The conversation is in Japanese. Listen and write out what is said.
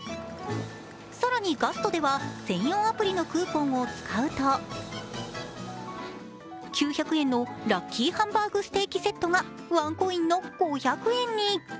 更にガストでは、専用アプリのクーポンを使うと９００円のラッキーハンバーグステーキセットがワンコインの５００円に。